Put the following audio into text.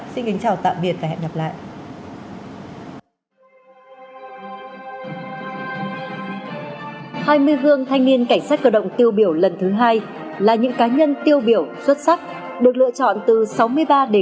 xin kính chào tạm biệt và hẹn gặp lại